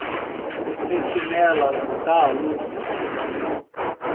Sentinelas da luz